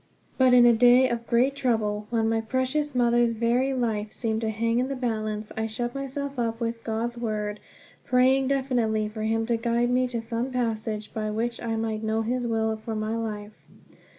But in a day of great trouble, when my precious mother's very life seemed to hang in the balance, I shut myself up with God's Word, praying definitely for him to guide me to some passage by which I might know his will for my life.